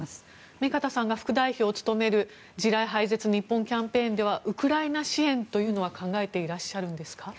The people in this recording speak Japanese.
目加田さんが副代表を務める地雷廃絶日本キャンペーンではウクライナ支援というのは考えていらっしゃるんですか。